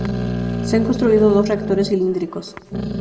Se han construido dos reactores cilíndricos.